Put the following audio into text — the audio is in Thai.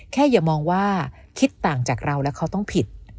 อย่ามองว่าคิดต่างจากเราแล้วเขาต้องผิด